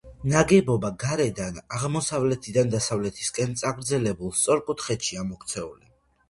ნაგებობა გარედან აღმოსავლეთიდან დასავლეთისაკენ წაგრძელებულ სწორკუთხედშია მოქცეული.